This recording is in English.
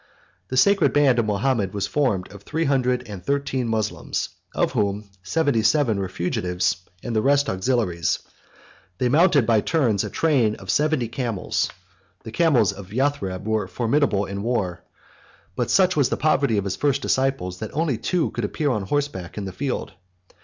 The sacred band of Mahomet was formed of three hundred and thirteen Moslems, of whom seventy seven were fugitives, and the rest auxiliaries; they mounted by turns a train of seventy camels, (the camels of Yathreb were formidable in war;) but such was the poverty of his first disciples, that only two could appear on horseback in the field.